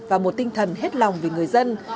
và một tinh thần hết lòng về người dân